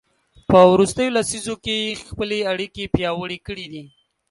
په وروستیو لسیزو کې یې خپلې اړیکې پیاوړې کړي دي.